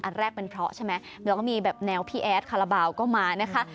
อันแรกเป็นเพราะใช่ไหมแล้วก็มีแบบแนวพี่แอดคาราบาลก็มานะคะ